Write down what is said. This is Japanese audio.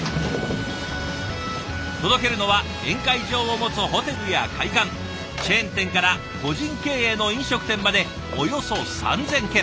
届けるのは宴会場を持つホテルや会館チェーン店から個人経営の飲食店までおよそ３，０００軒。